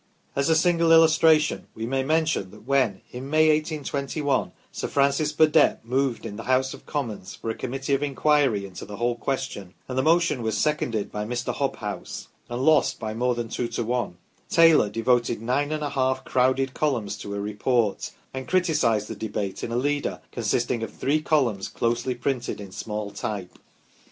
As a single illustration we may mention that when, in May, 1 82 1 , Sir Francis Burdett moved in the House of Commons for a Committee of inquiry into the whole question, and the motion was seconded by Mr. Hob house, and lost by more than two to one, Taylor devoted nine and a half crowded columns to a report, and criticised the debate in a leader consisting of three columns closely printed in small type.